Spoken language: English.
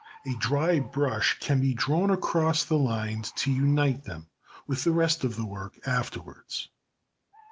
A dry brush can be drawn across the lines to unite them with the rest of the work afterwards.